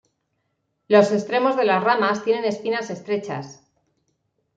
Los extremos de las ramas tienen espinas estrechas.